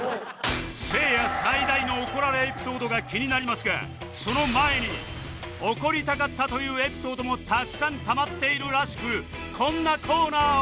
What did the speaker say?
せいや最大の怒られエピソードが気になりますがその前に怒りたかったというエピソードもたくさんたまっているらしくこんなコーナーを